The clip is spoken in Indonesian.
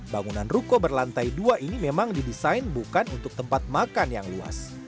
bangunan ruko berlantai dua ini memang didesain bukan untuk tempat makan yang luas